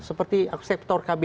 seperti akseptor kb